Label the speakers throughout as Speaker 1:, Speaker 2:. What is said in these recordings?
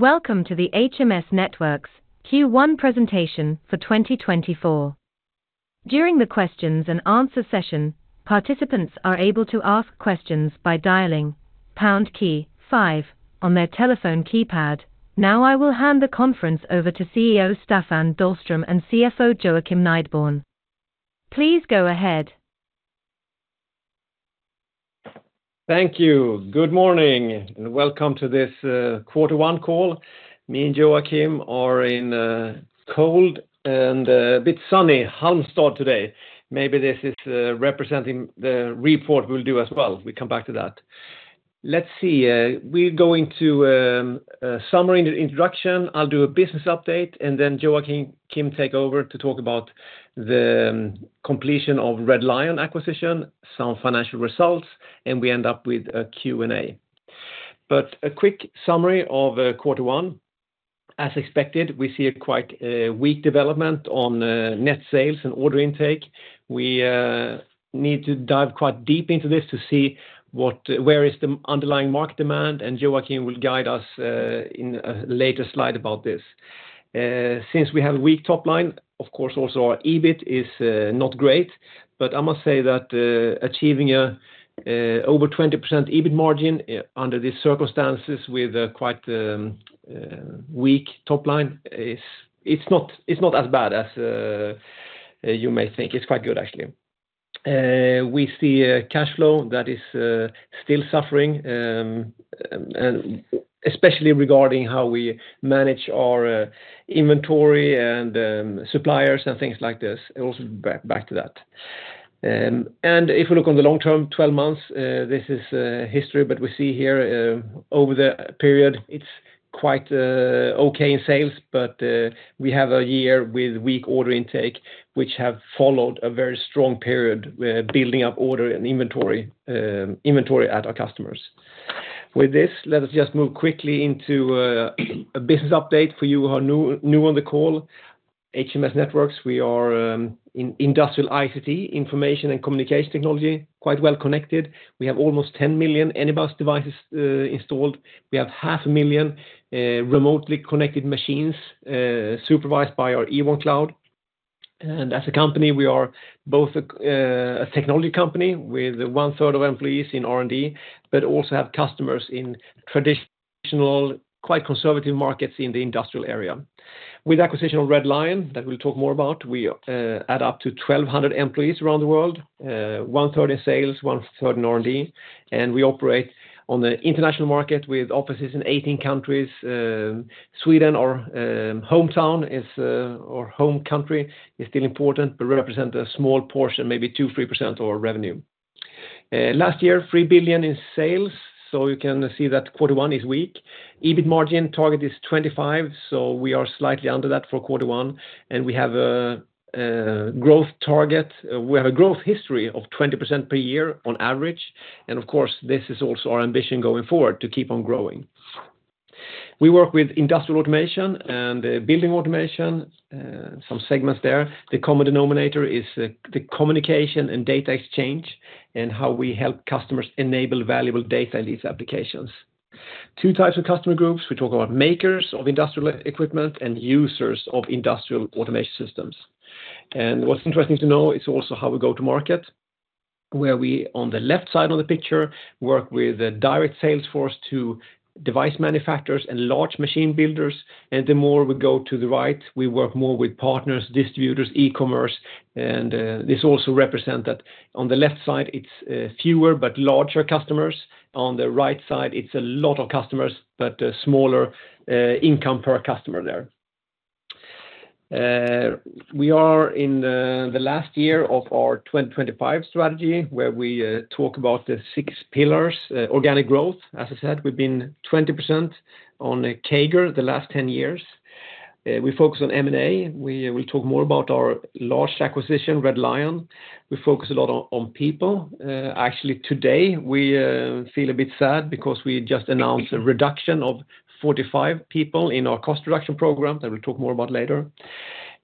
Speaker 1: Welcome to the HMS Networks Q1 presentation for 2024. During the questions and answer session, participants are able to ask questions by dialing pound key five on their telephone keypad. Now, I will hand the conference over to CEO Staffan Dahlström and CFO Joakim Nideborn. Please go ahead.
Speaker 2: Thank you. Good morning, and welcome to this quarter one call. Me and Joakim are in a cold and bit sunny Halmstad today. Maybe this is representing the report we'll do as well. We come back to that. Let's see, we're going to summary and introduction. I'll do a business update, and then Joakim take over to talk about the completion of Red Lion acquisition, some financial results, and we end up with a Q&A. But a quick summary of quarter one. As expected, we see a quite weak development on net sales and order intake. We need to dive quite deep into this to see what, where is the underlying market demand, and Joakim will guide us in a later slide about this. Since we have a weak top line, of course, also our EBIT is not great, but I must say that achieving a over 20% EBIT margin under these circumstances with a quite weak top line is, it's not, it's not as bad as you may think. It's quite good, actually. We see a cash flow that is still suffering and especially regarding how we manage our inventory and suppliers, and things like this. It also back back to that. And if you look on the long term, 12 months, this is history, but we see here over the period, it's quite okay in sales, but we have a year with weak order intake, which have followed a very strong period building up order and inventory inventory at our customers. With this, let us just move quickly into a business update for you who are new on the call. HMS Networks, we are in industrial ICT, information and communication technology, quite well connected. We have almost 10 million Anybus devices installed. We have 500,000 remotely connected machines supervised by our Ewon cloud. And as a company, we are both a technology company with one-third of employees in R&D, but also have customers in traditional, quite conservative markets in the industrial area. With acquisition of Red Lion, that we'll talk more about, we add up to 1,200 employees around the world, one-third in sales, one-third in R&D, and we operate on the international market with offices in 18 countries. Sweden, our hometown, is our home country, is still important, but represent a small portion, maybe 2%-3% of our revenue. Last year, 3 billion in sales, so you can see that quarter one is weak. EBIT margin target is 25%, so we are slightly under that for quarter one, and we have a growth target. We have a growth history of 20% per year on average, and of course, this is also our ambition going forward, to keep on growing. We work with industrial automation and building automation, some segments there. The common denominator is the communication and data exchange, and how we help customers enable valuable data in these applications. Two types of customer groups. We talk about makers of industrial equipment and users of industrial automation systems. What's interesting to know is also how we go to market, where we, on the left side of the picture, work with a direct sales force to device manufacturers and large machine builders. The more we go to the right, we work more with partners, distributors, e-commerce, and this also represent that on the left side, it's fewer, but larger customers. On the right side, it's a lot of customers, but smaller income per customer there. We are in the last year of our 2025 strategy, where we talk about the six pillars, organic growth. As I said, we've been 20% on a CAGR the last 10 years. We focus on M&A. We talk more about our large acquisition, Red Lion. We focus a lot on people. Actually, today, we feel a bit sad because we just announced a reduction of 45 people in our cost reduction program, that we'll talk more about later.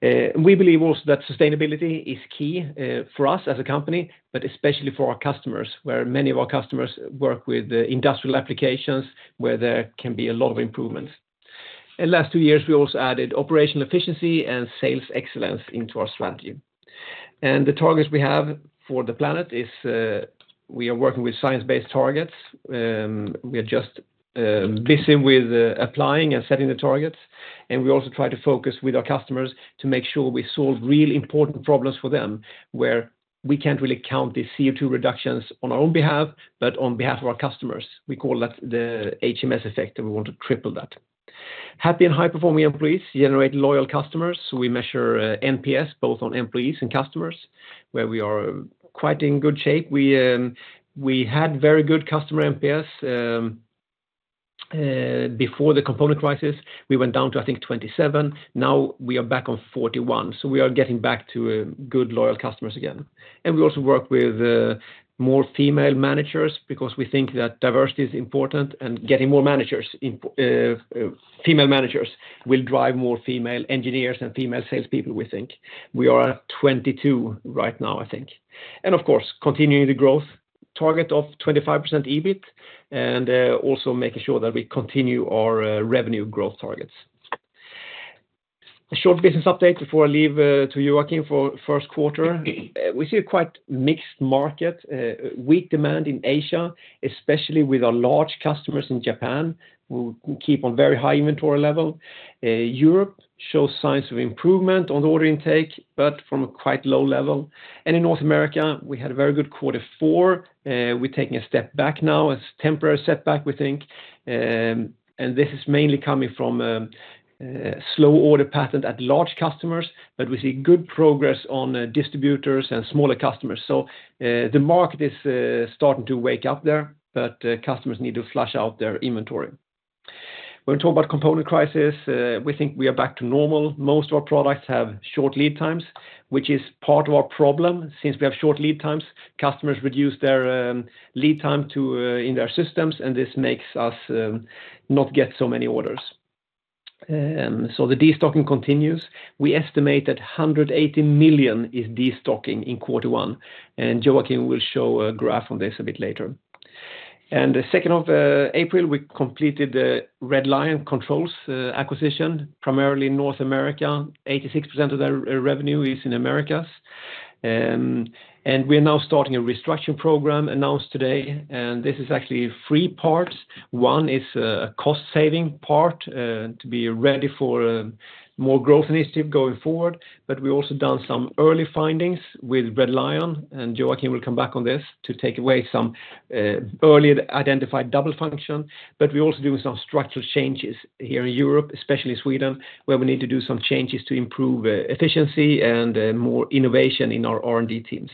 Speaker 2: We believe also that sustainability is key for us as a company, but especially for our customers, where many of our customers work with the industrial applications, where there can be a lot of improvements. In last two years, we also added operational efficiency and sales excellence into our strategy. And the targets we have for the planet is, we are working with Science Based Targets. We are just busy with applying and setting the targets, and we also try to focus with our customers to make sure we solve really important problems for them, where we can't really count the CO2 reductions on our own behalf, but on behalf of our customers. We call that the HMS Effect, and we want to triple that. Happy and high-performing employees generate loyal customers, so we measure NPS, both on employees and customers, where we are quite in good shape. We had very good customer NPS before the component crisis. We went down to, I think, 27. Now, we are back on 41, so we are getting back to good, loyal customers again. And we also work with more female managers because we think that diversity is important, and getting more managers, female managers, will drive more female engineers and female salespeople, we think. We are at 22 right now, I think. And of course, continuing the growth target of 25% EBIT, and also making sure that we continue our revenue growth targets. A short business update before I leave to Joakim for first quarter. We see a quite mixed market, weak demand in Asia, especially with our large customers in Japan, who keep on very high inventory level. Europe shows signs of improvement on the order intake, but from a quite low level. In North America, we had a very good quarter four, we're taking a step back now. It's a temporary setback, we think, and this is mainly coming from, slow order pattern at large customers, but we see good progress on the distributors and smaller customers. The market is starting to wake up there, but customers need to flush out their inventory. When we talk about component crisis, we think we are back to normal. Most of our products have short lead times, which is part of our problem. Since we have short lead times, customers reduce their lead time to in their systems, and this makes us not get so many orders. So the destocking continues. We estimate that 108 million is destocking in quarter one, and Joakim will show a graph on this a bit later. And the second of April, we completed the Red Lion Controls acquisition, primarily in North America. 86% of their revenue is in Americas. And we are now starting a restructuring program announced today, and this is actually three parts. One is a cost-saving part to be ready for more growth initiative going forward, but we also done some early findings with Red Lion, and Joakim will come back on this to take away some early identified double function. But we're also doing some structural changes here in Europe, especially Sweden, where we need to do some changes to improve efficiency and more innovation in our R&D teams.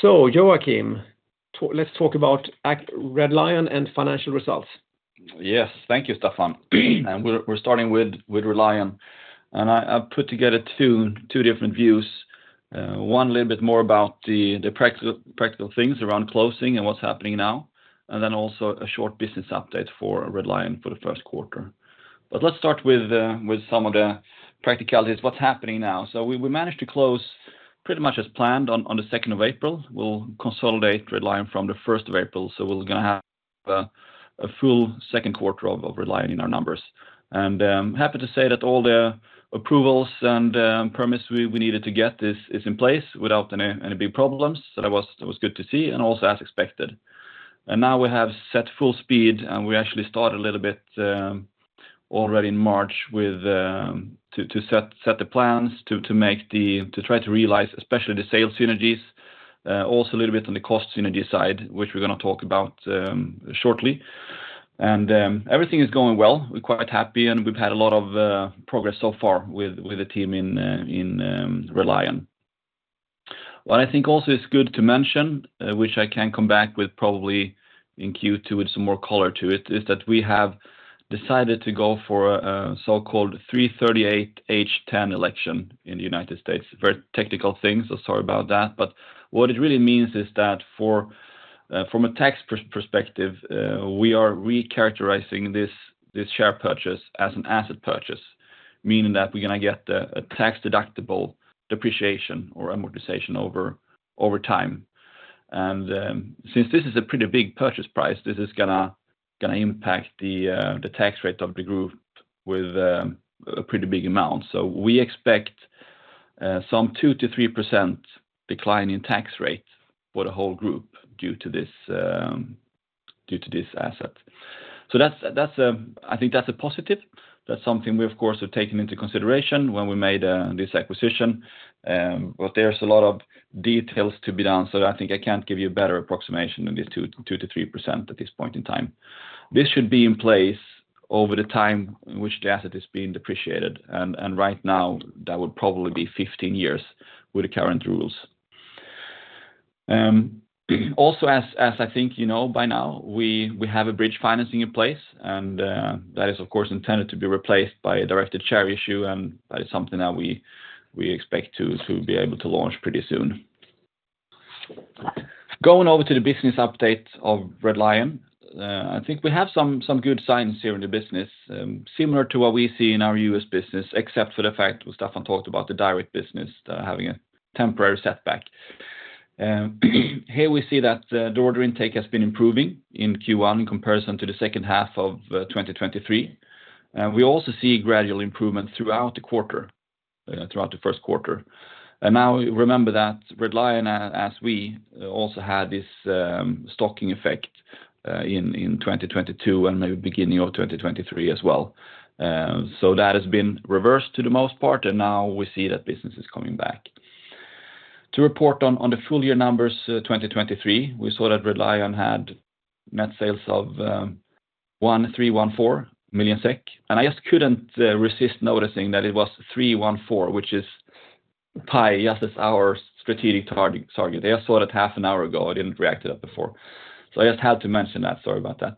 Speaker 2: So, Joakim, let's talk about Red Lion and financial results.
Speaker 3: Yes. Thank you, Staffan. And we're starting with Red Lion. And I've put together two different views. One, a little bit more about the practical things around closing and what's happening now, and then also a short business update for Red Lion for the first quarter. But let's start with some of the practicalities, what's happening now. So we managed to close pretty much as planned on the second of April. We'll consolidate Red Lion from the first of April, so we're gonna have a full second quarter of Red Lion in our numbers. And happy to say that all the approvals and permits we needed to get is in place without any big problems. So that was good to see and also as expected. And now we have set full speed, and we actually started a little bit already in March with the plans to set, to make the to try to realize, especially the sales synergies, also a little bit on the cost synergy side, which we're gonna talk about shortly. And everything is going well. We're quite happy, and we've had a lot of progress so far with the team in Red Lion. What I think also is good to mention, which I can come back with probably in Q2 with some more color to it, is that we have decided to go for a so-called 338(h)(10) election in the United States. Very technical thing, so sorry about that. But what it really means is that from a tax perspective, we are recharacterizing this share purchase as an asset purchase, meaning that we're gonna get a tax-deductible depreciation or amortization over time. And since this is a pretty big purchase price, this is gonna impact the tax rate of the group with a pretty big amount. So we expect some 2%-3% decline in tax rate for the whole group due to this asset. So that's a positive. That's something we, of course, have taken into consideration when we made this acquisition. But there's a lot of details to be done, so I think I can't give you a better approximation than this 2%-3% at this point in time. This should be in place over the time in which the asset is being depreciated, and right now, that would probably be 15 years with the current rules. Also, as I think you know by now, we have a bridge financing in place, and that is, of course, intended to be replaced by a directed share issue, and that is something that we expect to be able to launch pretty soon. Going over to the business update of Red Lion, I think we have some good signs here in the business, similar to what we see in our U.S. business, except for the fact what Staffan talked about, the direct business having a temporary setback. Here we see that the order intake has been improving in Q1 in comparison to the second half of 2023. We also see gradual improvement throughout the quarter, throughout the first quarter. Now, remember that Red Lion, as we also had this stocking effect in 2022 and maybe beginning of 2023 as well. So that has been reversed for the most part, and now we see that business is coming back. To report on the full year numbers, 2023, we saw that Red Lion had net sales of 1,314 million SEK, and I just couldn't resist noticing that it was 314, which is high, just as our strategic target. I just saw that half an hour ago, I didn't react to that before. So I just had to mention that. Sorry about that.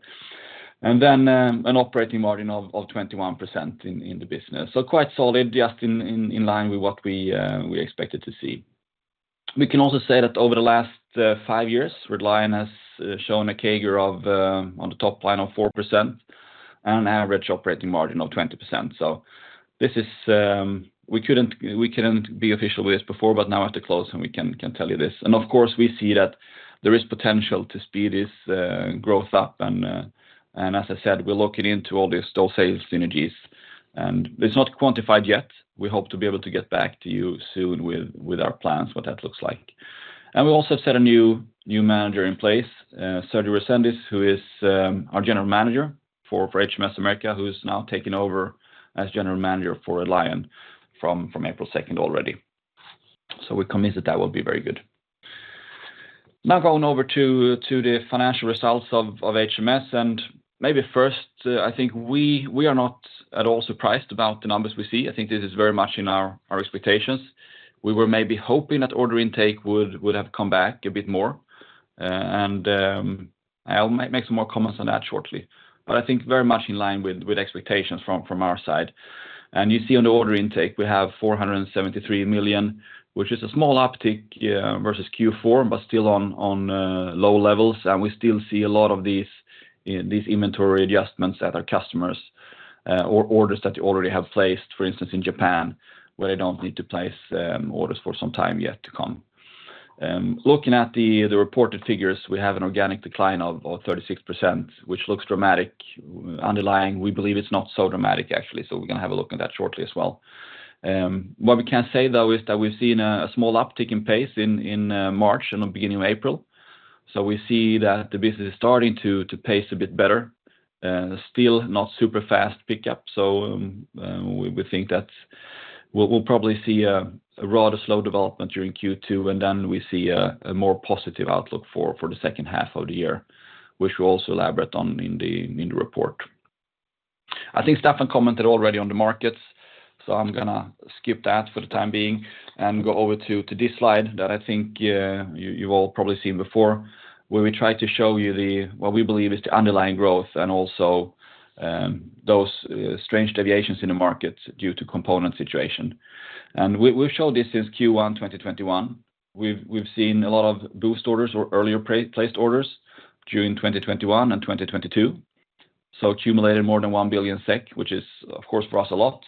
Speaker 3: And then, an operating margin of 21% in the business. So quite solid, just in line with what we expected to see. We can also say that over the last five years, Red Lion has shown a CAGR of on the top line of 4% and an average operating margin of 20%. So this is, we couldn't be official with this before, but now after close, and we can tell you this. And of course, we see that there is potential to speed this growth up, and as I said, we're looking into all these stock sales synergies, and it's not quantified yet. We hope to be able to get back to you soon with our plans, what that looks like. We also set a new manager in place, Sergio Resendiz, who is our general manager for HMS America, who is now taking over as general manager for Red Lion from April 2 already. So we're convinced that will be very good. Now, going over to the financial results of HMS, and maybe first, I think we are not at all surprised about the numbers we see. I think this is very much in our expectations. We were maybe hoping that order intake would have come back a bit more, and I'll make some more comments on that shortly. But I think very much in line with expectations from our side. You see on the order intake, we have 473 million, which is a small uptick versus Q4, but still on low levels. We still see a lot of inventory adjustments at our customers, or orders that you already have placed, for instance, in Japan, where they don't need to place orders for some time yet to come. Looking at the reported figures, we have an organic decline of 36%, which looks dramatic. Underlying, we believe it's not so dramatic, actually, so we're gonna have a look at that shortly as well. What we can say, though, is that we've seen a small uptick in pace in March and the beginning of April, so we see that the business is starting to pace a bit better. Still not super fast pickup, so we think that we'll probably see a rather slow development during Q2, and then we see a more positive outlook for the second half of the year, which we'll also elaborate on in the report. I think Staffan commented already on the markets, so I'm gonna skip that for the time being and go over to this slide that I think you've all probably seen before, where we try to show you the what we believe is the underlying growth and also those strange deviations in the market due to component situation. We've showed this since Q1 2021. We've seen a lot of boost orders or earlier pre-placed orders during 2021 and 2022, so accumulated more than 1 billion SEK, which is, of course, for us, a lot.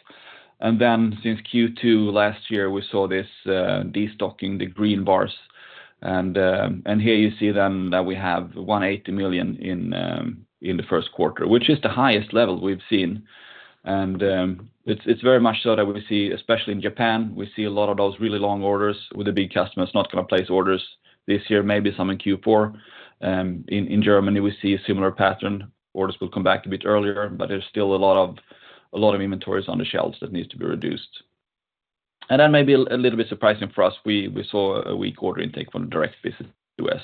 Speaker 3: And then, since Q2 last year, we saw this destocking, the green bars, and here you see them, that we have 180 million in the first quarter, which is the highest level we've seen. And it's very much so that we see, especially in Japan, we see a lot of those really long orders with the big customers not gonna place orders this year, maybe some in Q4. In Germany, we see a similar pattern. Orders will come back a bit earlier, but there's still a lot of inventories on the shelves that needs to be reduced. Then maybe a little bit surprising for us, we saw a weak order intake from the direct business US.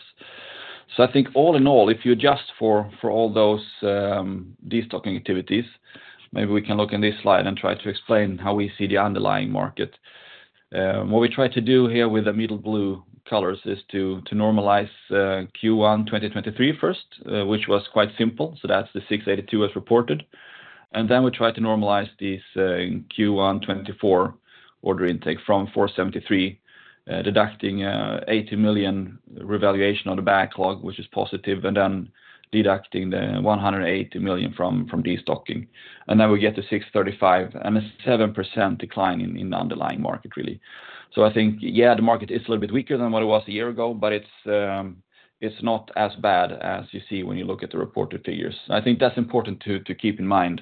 Speaker 3: So I think all in all, if you adjust for all those destocking activities, maybe we can look in this slide and try to explain how we see the underlying market. What we try to do here with the middle blue colors is to normalize Q1 2023 first, which was quite simple, so that's the 682 as reported. Then we try to normalize these Q1 2024 order intake from 473, deducting 80 million revaluation of the backlog, which is positive, and then deducting the 180 million from destocking. Then we get to 635, and a 7% decline in the underlying market, really. So I think, yeah, the market is a little bit weaker than what it was a year ago, but it's, it's not as bad as you see when you look at the reported figures. I think that's important to keep in mind,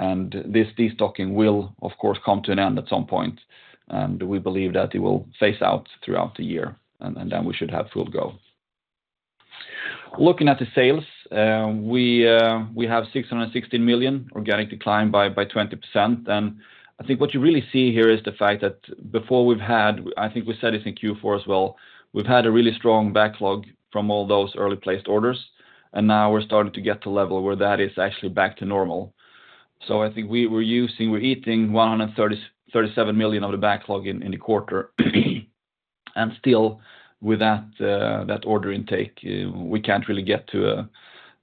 Speaker 3: and this destocking will, of course, come to an end at some point, and we believe that it will phase out throughout the year, and then we should have full go. Looking at the sales, we have 616 million, organic decline by 20%. And I think what you really see here is the fact that before we've had, I think we said this in Q4 as well, we've had a really strong backlog from all those early placed orders, and now we're starting to get to a level where that is actually back to normal. So I think we're using, we're eating 137 million of the backlog in the quarter. And still, with that, that order intake, we can't really get to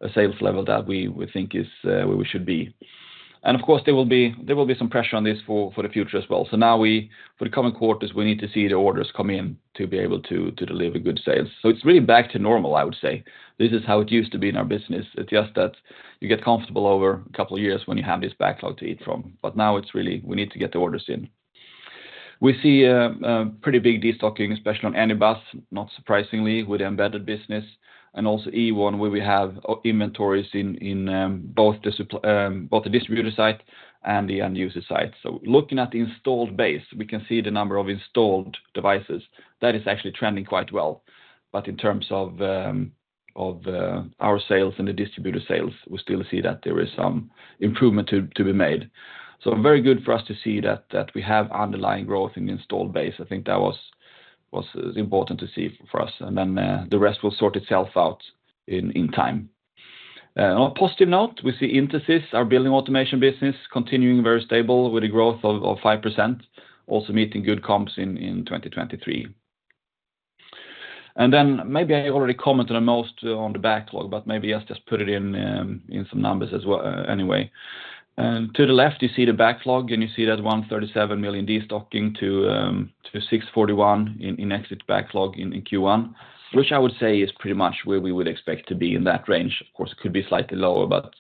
Speaker 3: a sales level that we think is where we should be. And of course, there will be some pressure on this for the future as well. So now, for the coming quarters, we need to see the orders come in to be able to deliver good sales. So it's really back to normal, I would say. This is how it used to be in our business. It's just that you get comfortable over a couple of years when you have this backlog to eat from, but now it's really we need to get the orders in. We see a pretty big destocking, especially on Anybus, not surprisingly, with the embedded business, and also Ewon, where we have inventories in both the distributor side and the end user side. So looking at the installed base, we can see the number of installed devices. That is actually trending quite well. But in terms of our sales and the distributor sales, we still see that there is some improvement to be made. So very good for us to see that we have underlying growth in the installed base. I think that was important to see for us, and then the rest will sort itself out in time. On a positive note, we see Intesis, our building automation business, continuing very stable with a growth of 5%, also meeting good comps in 2023. Then maybe I already commented on most on the backlog, but maybe I'll just put it in some numbers as well, anyway. To the left, you see the backlog, and you see that 137 million destocking to 641 million in exit backlog in Q1, which I would say is pretty much where we would expect to be in that range. Of course, it could be slightly lower, but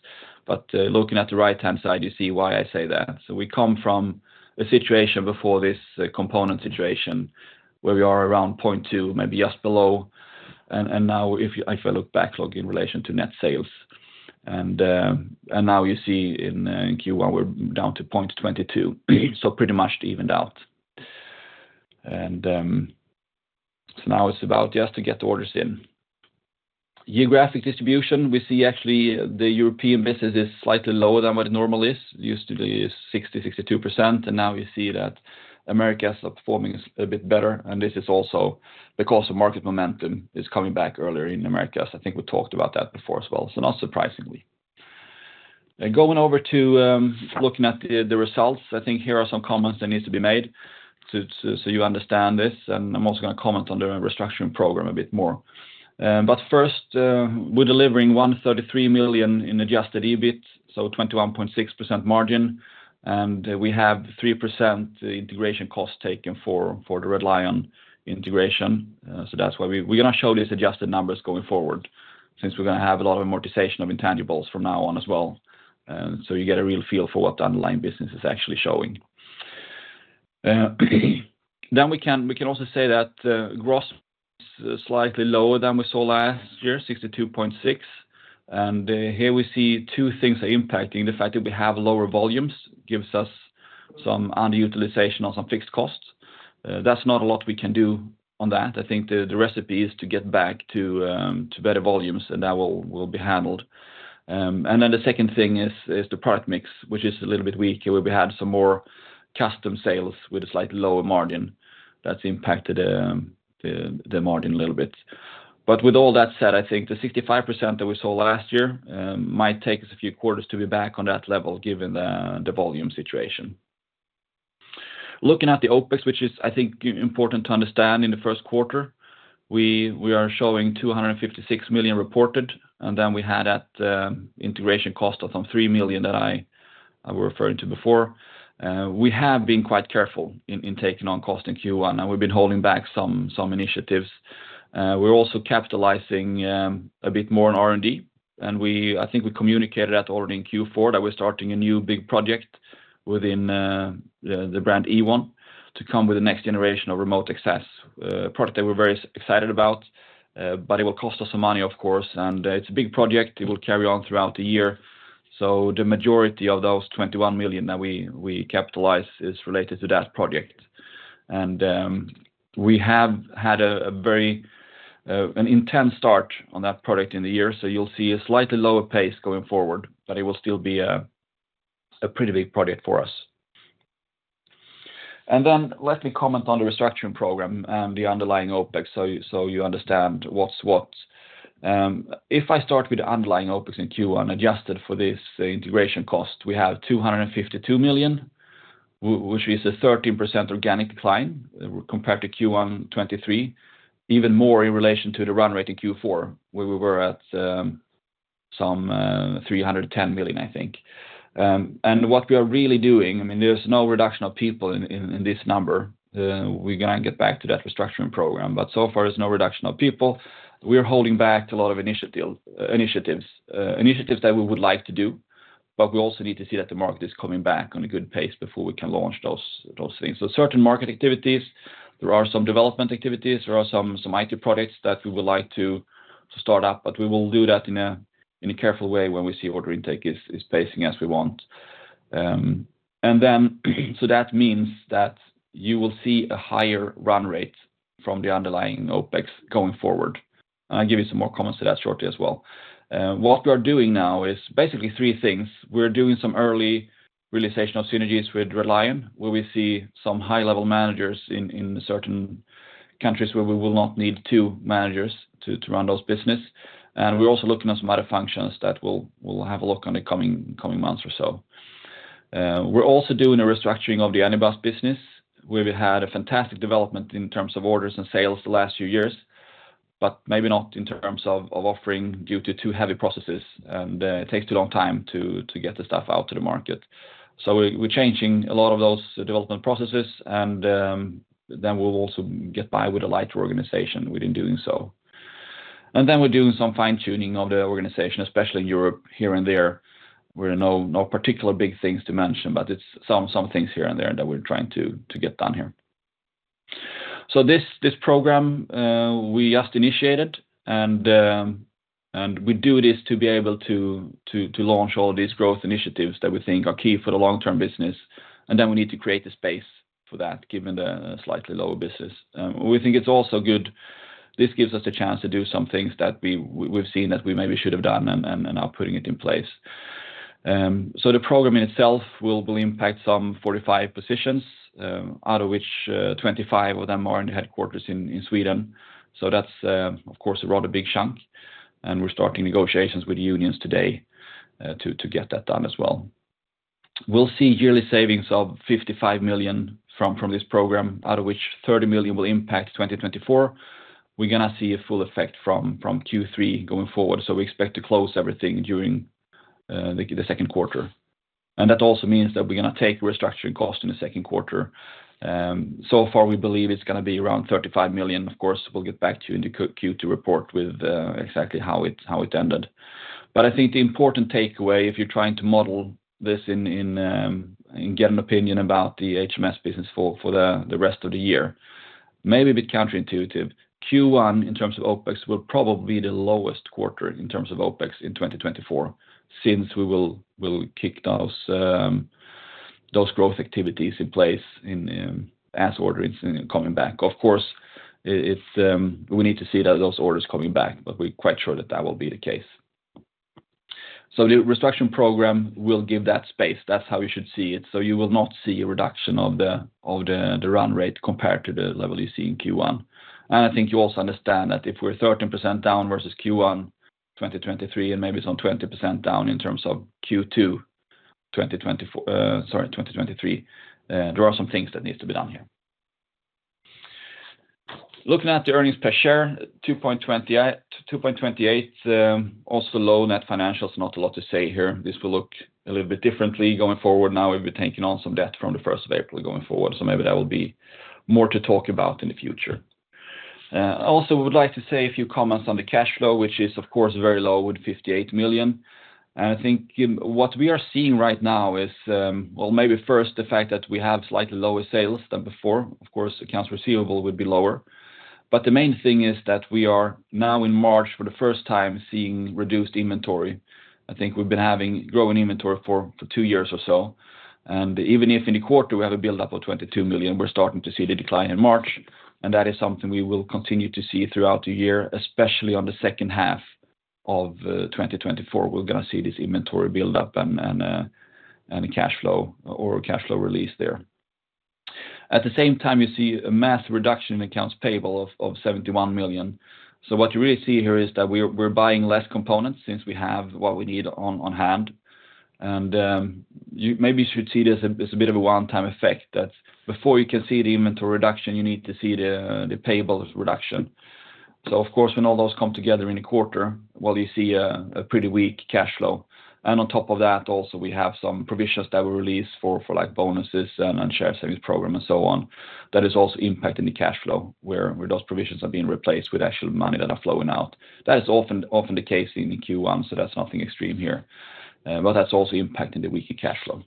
Speaker 3: looking at the right-hand side, you see why I say that. So we come from a situation before this component situation, where we are around 0.2, maybe just below. Now if I look at backlog in relation to net sales, now you see in Q1, we're down to 0.22. So pretty much it evened out. So now it's about just to get the orders in. Geographic distribution, we see actually, the European business is slightly lower than what it normally is. It used to be 60%-62%, and now you see that Americas are performing a bit better, and this is also because the market momentum is coming back earlier in Americas. I think we talked about that before as well, so not surprisingly. Going over to looking at the results, I think here are some comments that needs to be made so you understand this, and I'm also gonna comment on the restructuring program a bit more. But first, we're delivering 133 million in adjusted EBIT, so 21.6% margin, and we have 3% integration cost taken for the Red Lion integration. So that's why we're gonna show these adjusted numbers going forward, since we're gonna have a lot of amortization of intangibles from now on as well. So you get a real feel for what the underlying business is actually showing. Then we can also say that gross is slightly lower than we saw last year, 62.6%. And here we see two things are impacting. The fact that we have lower volumes gives us some underutilization on some fixed costs. That's not a lot we can do on that. I think the recipe is to get back to better volumes, and that will be handled. And then the second thing is the product mix, which is a little bit weaker, where we had some more custom sales with a slightly lower margin. That's impacted the margin a little bit. But with all that said, I think the 65% that we saw last year might take us a few quarters to be back on that level, given the volume situation. Looking at the OpEx, which is, I think, important to understand in the first quarter, we are showing 256 million reported, and then we had that integration cost of some 3 million that I were referring to before. We have been quite careful in taking on cost in Q1, and we've been holding back some initiatives. We're also capitalizing a bit more on R&D, and I think we communicated that already in Q4, that we're starting a new big project within the brand Ewon, to come with the next generation of remote access. A product that we're very excited about, but it will cost us some money, of course, and it's a big project. It will carry on throughout the year. So the majority of those 21 million that we capitalize is related to that project. And we have had a very intense start on that project in the year, so you'll see a slightly lower pace going forward, but it will still be a pretty big project for us. And then let me comment on the restructuring program and the underlying OpEx, so you understand what's what. If I start with the underlying OpEx in Q1, adjusted for this, integration cost, we have 252 million, which is a 13% organic decline, compared to Q1 2023, even more in relation to the run rate in Q4, where we were at, some 310 million, I think. And what we are really doing, I mean, there's no reduction of people in this number. We're gonna get back to that restructuring program, but so far, there's no reduction of people. We're holding back to a lot of initiatives. Initiatives that we would like to do, but we also need to see that the market is coming back on a good pace before we can launch those, those things. So certain market activities, there are some development activities, there are some IT products that we would like to start up, but we will do that in a careful way when we see order intake is pacing as we want. And then, so that means that you will see a higher run rate from the underlying OpEx going forward. I'll give you some more comments to that shortly as well. What we are doing now is basically three things: we're doing some early realization of synergies with Red Lion, where we see some high-level managers in certain countries where we will not need two managers to run those business. And we're also looking at some other functions that we'll have a look on the coming months or so. We're also doing a restructuring of the Anybus business, where we had a fantastic development in terms of orders and sales the last few years, but maybe not in terms of offering, due to two heavy processes, and it takes a long time to get the stuff out to the market. So we're changing a lot of those development processes, and then we'll also get by with a lighter organization within doing so. And then we're doing some fine-tuning of the organization, especially in Europe, here and there, where no particular big things to mention, but it's some things here and there that we're trying to get done here. So this program we just initiated, and we do this to be able to launch all these growth initiatives that we think are key for the long-term business, and then we need to create the space for that, given the slightly lower business. We think it's also good. This gives us a chance to do some things that we've seen that we maybe should have done and are putting it in place. So the program in itself will impact some 45 positions, out of which 25 of them are in the headquarters in Sweden. So that's of course a rather big chunk, and we're starting negotiations with the unions today to get that done as well. We'll see yearly savings of 55 million from this program, out of which 30 million will impact 2024. We're gonna see a full effect from Q3 going forward, so we expect to close everything during the second quarter. And that also means that we're gonna take restructuring costs in the second quarter. So far, we believe it's gonna be around 35 million. Of course, we'll get back to you in the Q2 report with exactly how it ended. But I think the important takeaway, if you're trying to model this in and get an opinion about the HMS business for the rest of the year, maybe a bit counterintuitive, Q1, in terms of OpEx, will probably be the lowest quarter in terms of OpEx in 2024, since we'll kick those growth activities in place in as orders is coming back. Of course, it's, we need to see that those orders coming back, but we're quite sure that that will be the case. So the restructuring program will give that space. That's how you should see it. So you will not see a reduction of the run rate compared to the level you see in Q1. I think you also understand that if we're 13% down versus Q1 2023, and maybe some 20% down in terms of Q2 2024, sorry, 2023, there are some things that need to be done here. Looking at the earnings per share, 2.28, 2.28, also low net financials, not a lot to say here. This will look a little bit differently going forward now, we've been taking on some debt from the first of April going forward, so maybe that will be more to talk about in the future. Also, would like to say a few comments on the cash flow, which is, of course, very low with 58 million. And I think, what we are seeing right now is, well, maybe first, the fact that we have slightly lower sales than before. Of course, accounts receivable would be lower. But the main thing is that we are now in March, for the first time, seeing reduced inventory. I think we've been having growing inventory for two years or so, and even if in the quarter we have a buildup of 22 million, we're starting to see the decline in March, and that is something we will continue to see throughout the year, especially on the second half of 2024, we're gonna see this inventory build up and a cashflow or a cashflow release there. At the same time, you see a massive reduction in accounts payable of 71 million. So what you really see here is that we're buying less components since we have what we need on hand. And, you maybe should see this as a bit of a one-time effect, that before you can see the inventory reduction, you need to see the payables reduction. So of course, when all those come together in a quarter, well, you see a pretty weak cash flow. And on top of that, also, we have some provisions that were released for, like, bonuses and share savings program and so on. That is also impacting the cash flow, where those provisions are being replaced with actual money that are flowing out. That is often the case in the Q1, so that's nothing extreme here. But that's also impacting the weaker cash flow.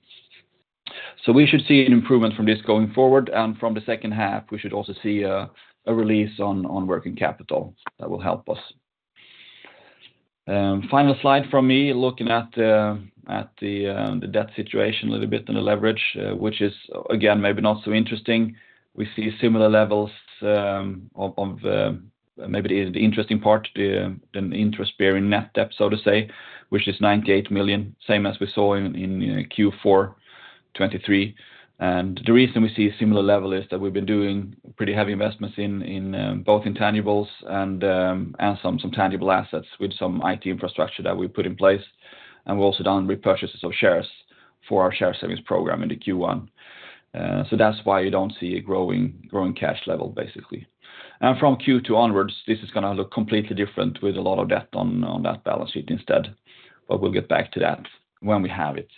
Speaker 3: So we should see an improvement from this going forward, and from the second half, we should also see a release on working capital that will help us. Final slide from me, looking at the debt situation a little bit and the leverage, which is, again, maybe not so interesting. We see similar levels of maybe the interesting part, the interest bearing net debt, so to say, which is 98 million, same as we saw in Q4 2023. And the reason we see a similar level is that we've been doing pretty heavy investments in both intangibles and some tangible assets with some IT infrastructure that we put in place, and we've also done repurchases of shares for our share savings program into Q1. So that's why you don't see a growing cash level, basically. From Q2 onwards, this is gonna look completely different with a lot of debt on that balance sheet instead, but we'll get back to that when we have it.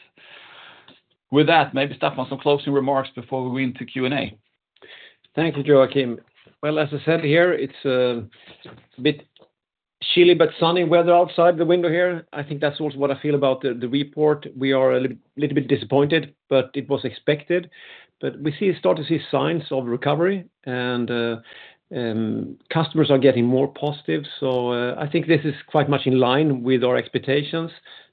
Speaker 3: With that, maybe Staffan, some closing remarks before we go into Q&A.
Speaker 2: Thank you, Joakim. Well, as I said here, it's a bit chilly but sunny weather outside the window here. I think that's also what I feel about the, the report. We are a little, little bit disappointed, but it was expected. But we start to see signs of recovery, and customers are getting more positive. So I think this is quite much in line with our expectations.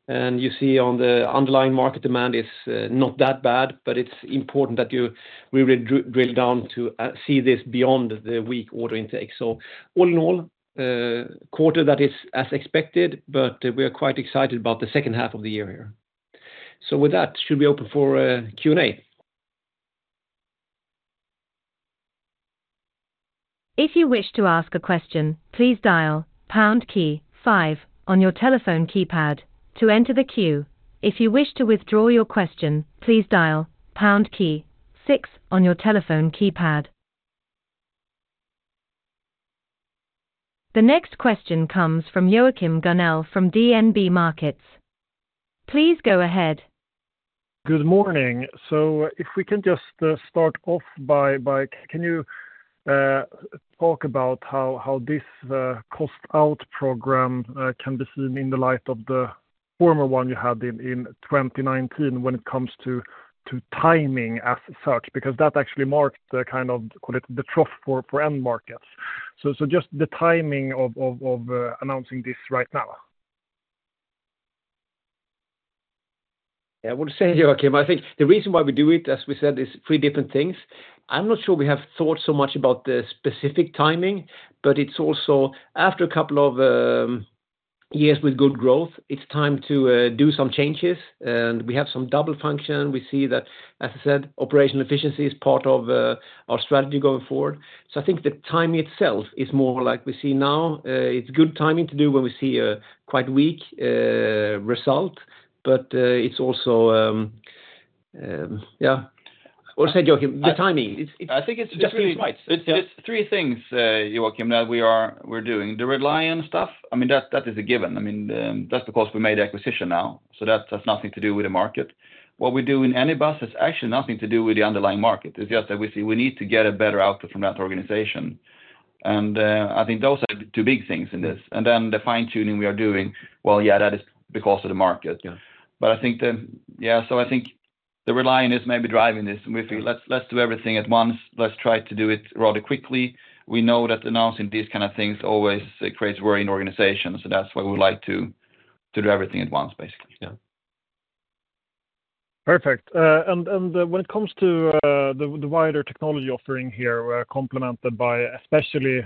Speaker 2: And you see on the underlying market demand, it's not that bad, but it's important that we need to drill down to see this beyond the weak order intake. So all in all, a quarter that is as expected, but we are quite excited about the second half of the year here. So with that, should we open for Q&A?
Speaker 1: If you wish to ask a question, please dial pound key five on your telephone keypad to enter the queue. If you wish to withdraw your question, please dial pound key six on your telephone keypad. The next question comes from Joachim Gunell from DNB Markets. Please go ahead.
Speaker 4: Good morning. So if we can just start off by can you talk about how this cost out program can be seen in the light of the former one you had in 2019 when it comes to timing as such? Because that actually marked the kind of, call it, the trough for end markets. So just the timing of announcing this right now.
Speaker 2: Yeah, I would say, Joakim, I think the reason why we do it, as we said, is three different things. I'm not sure we have thought so much about the specific timing, but it's also, after a couple of years with good growth, it's time to do some changes, and we have some double function. We see that, as I said, operational efficiency is part of our strategy going forward. So I think the timing itself is more like we see now. It's good timing to do when we see a quite weak result, but it's also or, say, Joakim, the timing, it's it-
Speaker 3: I think it's just really-
Speaker 2: It's nice.
Speaker 3: It's three things, Joakim, that we are doing. The Red Lion stuff, I mean, that is a given. I mean, that's because we made acquisition now, so that has nothing to do with the market. What we do in Anybus has actually nothing to do with the underlying market. It's just that we see we need to get a better output from that organization. And I think those are the two big things in this. And then the fine-tuning we are doing, well, yeah, that is because of the market.
Speaker 2: Yeah.
Speaker 3: But I think, yeah, so I think the Red Lion is maybe driving this, and we think, let's, let's do everything at once. Let's try to do it rather quickly. We know that announcing these kind of things always creates worry in organizations, so that's why we like to, to do everything at once, basically.
Speaker 2: Yeah.
Speaker 4: Perfect. And when it comes to the wider technology offering here, complemented by especially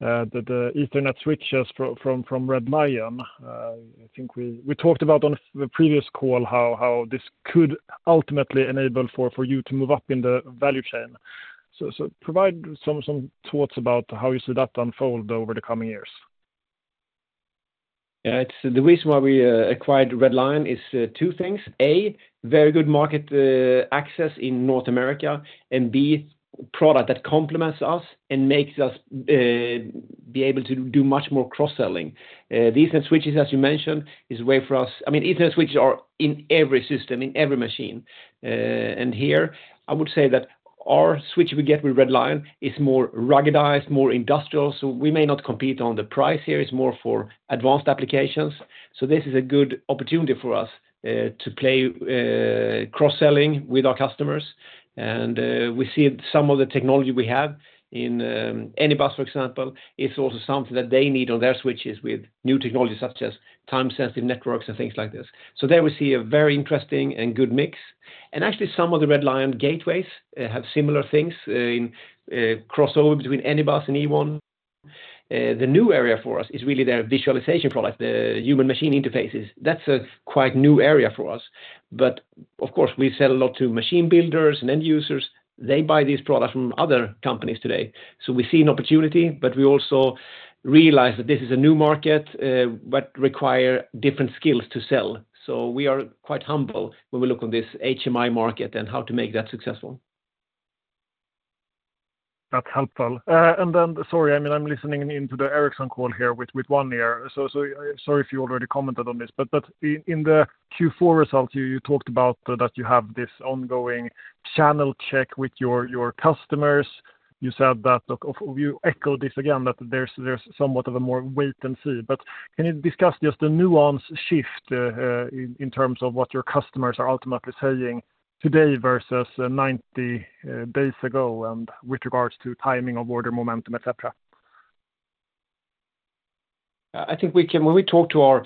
Speaker 4: the Ethernet switches from Red Lion, I think we talked about on the previous call how this could ultimately enable for you to move up in the value chain. So provide some thoughts about how you see that unfold over the coming years.
Speaker 2: Yeah, it's the reason why we acquired Red Lion is two things. A, very good market access in North America, and B, product that complements us and makes us be able to do much more cross-selling. These switches, as you mentioned, is a way for us—I mean, Ethernet switches are in every system, in every machine. And here, I would say that our switch we get with Red Lion is more ruggedized, more industrial, so we may not compete on the price here. It's more for advanced applications. So this is a good opportunity for us to play cross-selling with our customers. And we see some of the technology we have in Anybus, for example, is also something that they need on their switches with new technologies such as Time-Sensitive Networks and things like this. So there we see a very interesting and good mix. And actually, some of the Red Lion gateways have similar things in crossover between Anybus and Ewon. The new area for us is really their visualization product, the Human Machine Interfaces. That's a quite new area for us. But of course, we sell a lot to machine builders and end users. They buy these products from other companies today. So we see an opportunity, but we also realize that this is a new market what require different skills to sell. So we are quite humble when we look on this HMI market and how to make that successful.
Speaker 4: That's helpful. And then, sorry, I mean, I'm listening into the Ericsson call here with one ear. So sorry if you already commented on this, but in the Q4 result, you talked about that you have this ongoing channel check with your customers. You said that, look, you echo this again, that there's somewhat of a more wait and see, but can you discuss just the nuance shift in terms of what your customers are ultimately saying today versus 90 days ago and with regards to timing of order, momentum, et cetera?
Speaker 2: I think we can when we talk to our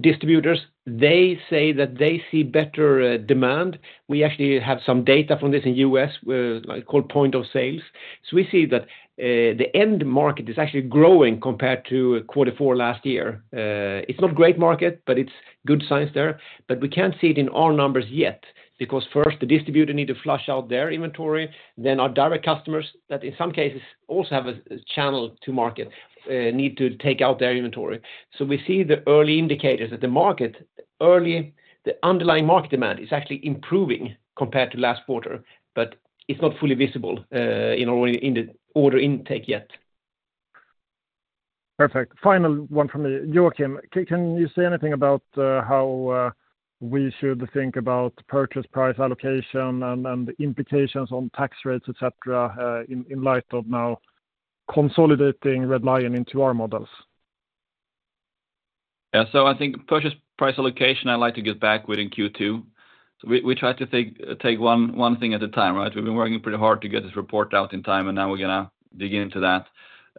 Speaker 2: distributors, they say that they see better demand. We actually have some data from this in U.S. called point of sales. So we see that the end market is actually growing compared to quarter four last year. It's not great market, but it's good signs there. But we can't see it in our numbers yet, because first, the distributor need to flush out their inventory, then our direct customers, that in some cases also have a channel to market need to take out their inventory. So we see the early indicators that the market, early, the underlying market demand is actually improving compared to last quarter, but it's not fully visible in our order intake yet.
Speaker 4: Perfect. Final one from me. Joakim, can you say anything about how we should think about purchase price allocation and the implications on tax rates, et cetera, in light of now consolidating Red Lion into our models?
Speaker 3: Yeah, so I think purchase price allocation, I'd like to get back with Q2. We try to take one thing at a time, right? We've been working pretty hard to get this report out in time, and now we're gonna dig into that.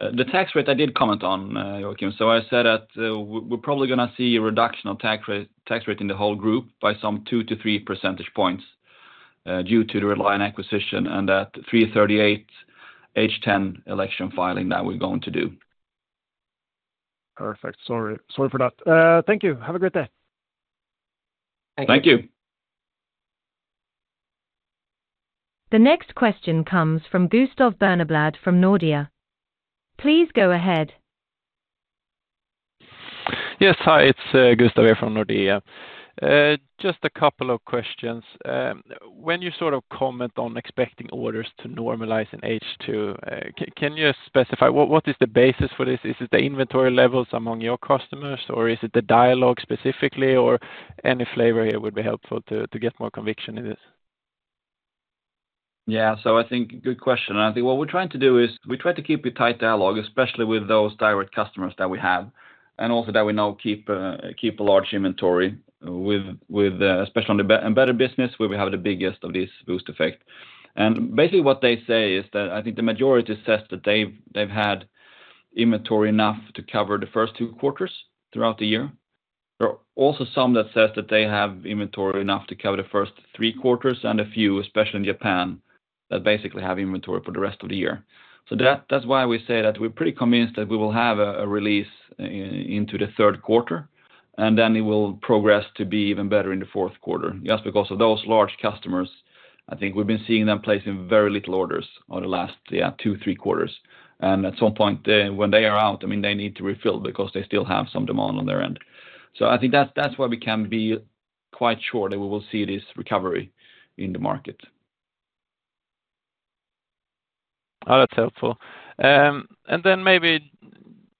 Speaker 3: The tax rate, I did comment on, Joakim. So I said that, we're probably gonna see a reduction of tax rate in the whole group by some 2-3 percentage points, due to the Red Lion acquisition and that 338(h)(10) election filing that we're going to do.
Speaker 4: Perfect. Sorry, sorry for that. Thank you. Have a great day.
Speaker 3: Thank you.
Speaker 2: Thank you.
Speaker 1: The next question comes from Gustav Berneblad, from Nordea. Please go ahead.
Speaker 5: Yes, hi, it's Gustav here from Nordea. Just a couple of questions. When you sort of comment on expecting orders to normalize in H2, can you specify what, what is the basis for this? Is it the inventory levels among your customers, or is it the dialogue specifically, or any flavor here would be helpful to, to get more conviction in this?
Speaker 3: Yeah, so I think good question. I think what we're trying to do is we try to keep a tight dialogue, especially with those direct customers that we have, and also that we now keep a large inventory with, especially on the embedded business, where we have the biggest of this boost effect. And basically, what they say is that I think the majority says that they've had inventory enough to cover the first two quarters throughout the year. There are also some that says that they have inventory enough to cover the first three quarters and a few, especially in Japan, that basically have inventory for the rest of the year. So that's why we say that we're pretty convinced that we will have a release into the third quarter, and then it will progress to be even better in the fourth quarter. Just because of those large customers, I think we've been seeing them placing very little orders in the last, yeah, two, three quarters. And at some point, when they are out, I mean, they need to refill because they still have some demand on their end. So I think that's why we can be quite sure that we will see this recovery in the market.
Speaker 5: Oh, that's helpful. And then maybe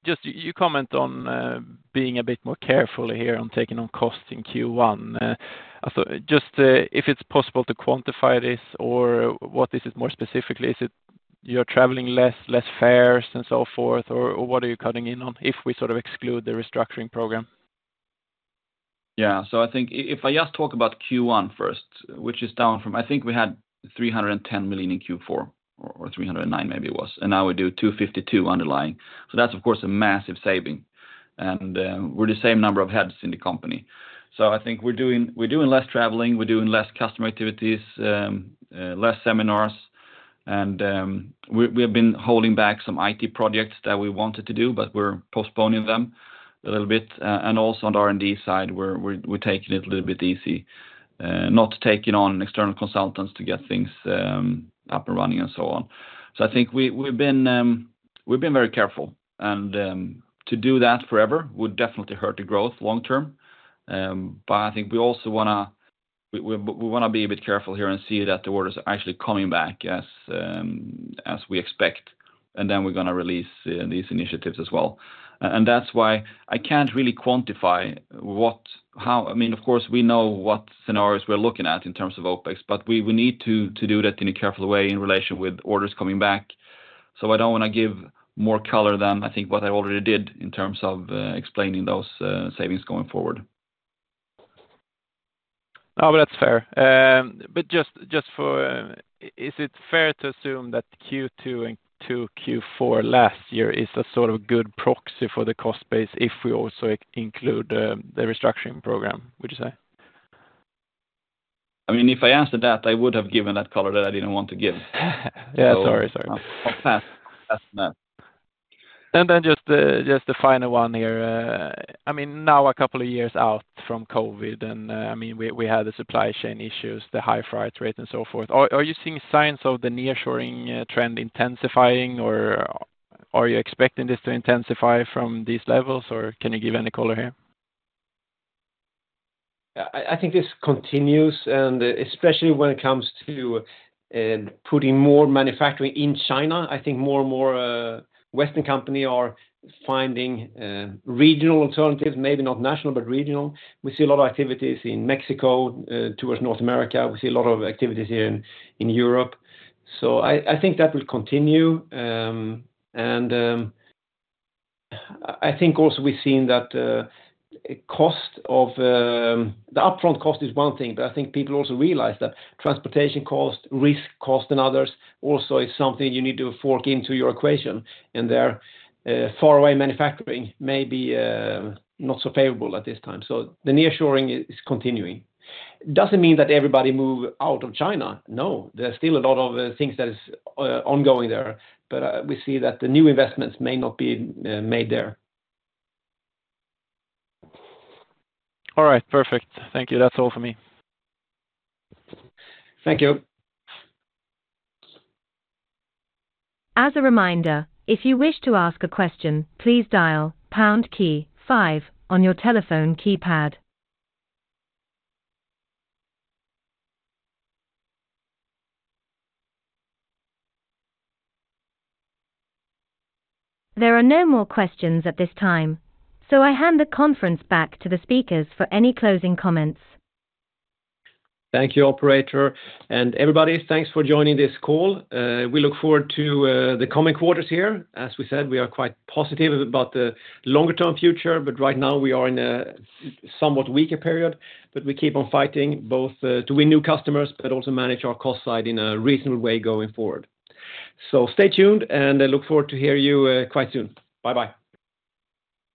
Speaker 5: just you comment on being a bit more careful here on taking on costs in Q1. I thought just, if it's possible to quantify this or what is it more specifically, is it you're traveling less, less fares, and so forth? Or, what are you cutting in on, if we sort of exclude the restructuring program?
Speaker 3: Yeah. So I think if I just talk about Q1 first, which is down from, I think we had 310 million in Q4, or 309 maybe it was, and now we do 252 million underlying. So that's, of course, a massive saving, and we're the same number of heads in the company. So I think we're doing less traveling, we're doing less customer activities, less seminars, and we have been holding back some IT projects that we wanted to do, but we're postponing them a little bit. And also on the R&D side, we're taking it a little bit easy, not taking on external consultants to get things up and running and so on. So I think we've been very careful, and to do that forever would definitely hurt the growth long term. But I think we also wanna be a bit careful here and see that the orders are actually coming back as we expect, and then we're gonna release these initiatives as well. And that's why I can't really quantify what, how. I mean, of course, we know what scenarios we're looking at in terms of OpEx, but we need to do that in a careful way in relation with orders coming back. So I don't wanna give more color than I think what I already did in terms of explaining those savings going forward.
Speaker 5: No, but that's fair. But just, just for, is it fair to assume that Q2 and to Q4 last year is a sort of good proxy for the cost base if we also include, the restructuring program, would you say?
Speaker 3: I mean, if I answered that, I would have given that color that I didn't want to give.
Speaker 5: Yeah, sorry, sorry.
Speaker 3: I'll pass that.
Speaker 5: And then just the final one here. I mean, now a couple of years out from COVID, and I mean, we had the supply chain issues, the high freight rate, and so forth. Are you seeing signs of the nearshoring trend intensifying, or are you expecting this to intensify from these levels, or can you give any color here?
Speaker 2: I think this continues, and especially when it comes to putting more manufacturing in China, I think more and more Western company are finding regional alternatives, maybe not national, but regional. We see a lot of activities in Mexico towards North America. We see a lot of activities here in Europe. So I think that will continue. And I think also we've seen that cost of the upfront cost is one thing, but I think people also realize that transportation cost, risk cost, and others also is something you need to fork into your equation, and their faraway manufacturing may be not so favorable at this time. So the nearshoring is continuing. Doesn't mean that everybody move out of China. No, there are still a lot of things that is ongoing there, but we see that the new investments may not be made there.
Speaker 5: All right. Perfect. Thank you. That's all for me.
Speaker 2: Thank you.
Speaker 1: As a reminder, if you wish to ask a question, please dial pound key five on your telephone keypad. There are no more questions at this time, so I hand the conference back to the speakers for any closing comments.
Speaker 3: Thank you, operator, and everybody, thanks for joining this call. We look forward to the coming quarters here. As we said, we are quite positive about the longer-term future, but right now we are in a somewhat weaker period. But we keep on fighting, both to win new customers, but also manage our cost side in a reasonable way going forward. So stay tuned, and I look forward to hear you quite soon. Bye-bye!